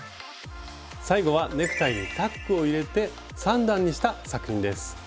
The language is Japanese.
最後はネクタイにタックを入れて３段にした作品です。